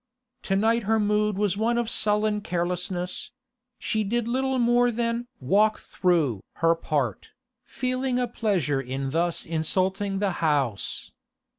To night her mood was one of sullen carelessness; she did little more than 'walk through' her part, feeling a pleasure in thus insulting the house.